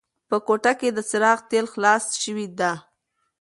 په کوټه کې د څراغ تېل خلاص شوي وو.